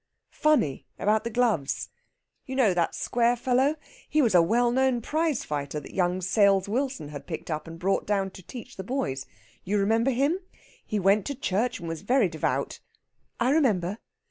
"Funny about the gloves. You know that square fellow? He was a well known prizefighter that young Sales Wilson had picked up and brought down to teach the boys. You remember him? He went to church, and was very devout...." "I remember."